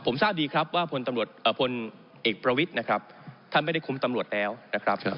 ผมทราบดีครับว่าพลเอกประวิทย์นะครับท่านไม่ได้คุ้มตำรวจแล้วนะครับ